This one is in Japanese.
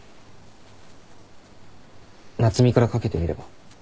夏海からかけてみれば？